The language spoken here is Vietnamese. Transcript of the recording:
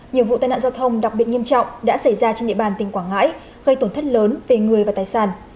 nhiều vụ tai nạn giao thông đặc biệt nghiêm trọng đã xảy ra trên địa bàn tỉnh quảng ngãi gây tổn thất lớn về người và tài sản